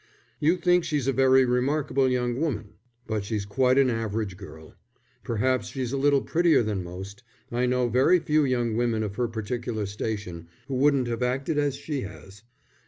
"You think she's a very remarkable young woman, but she's quite an average girl. Perhaps she's a little prettier than most. I know very few young women of her particular station who wouldn't have acted as she has."